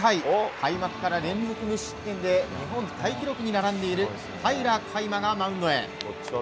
開幕から連続無失点で日本タイ記録に並んでいる平良海馬がマウンドへ。